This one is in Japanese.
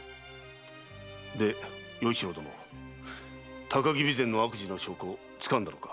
で与一郎殿高木備前の悪事の証拠つかんだのか？